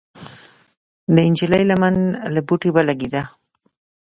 د نجلۍ لمن له بوټي ولګېده.